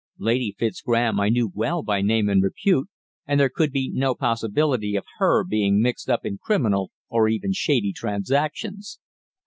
Lady Fitzgraham I knew well by name and repute, and there could be no possibility of her being mixed up in criminal or even shady transactions.